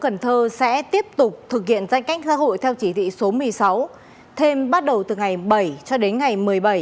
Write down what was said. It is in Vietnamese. các địa phương sẽ tiếp tục thực hiện tranh cách xã hội theo chỉ thị số một mươi sáu thêm bắt đầu từ ngày bảy cho đến ngày một mươi bảy